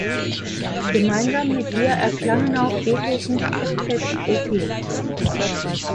Gemeinsam mit ihr erklangen auch Beethovens Septett op.